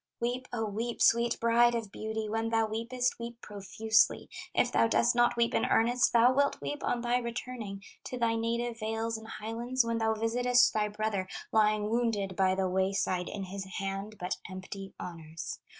"Weep, O weep, sweet bride of beauty, When thou weepest, weep profusely; If thou dost not weep in earnest, Thou wilt weep on thy returning To thy native vales and highlands, When thou visitest thy brother Lying wounded by the way side, In his hand but empty honors.